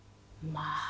まあ。